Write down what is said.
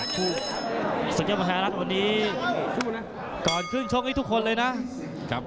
สุดยอดมหาลักษณ์วันนี้ก่อนครึ่งชกให้ทุกคนเลยนะ